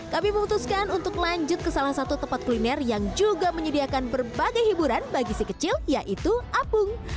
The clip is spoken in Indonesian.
kami memutuskan untuk lanjut ke salah satu tempat kuliner yang juga menyediakan berbagai hiburan bagi si kecil yaitu apung